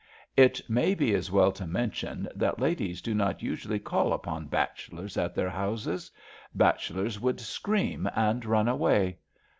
'^ It may be as well to mention that ladies do not usually call upon bachelors at their houses^ Bachelors would scream and run away.